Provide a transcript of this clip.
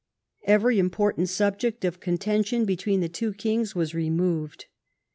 Every important subject of contention between the two kings was removed.